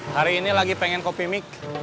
hari ini lagi pengen kopi mic